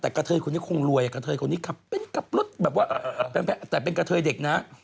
แต่กระเทยคนนี้คงรวยกระเทยคนนี้ขับเป็นขับรถแบบว่าแต่เป็นกระเทยเด็กนะ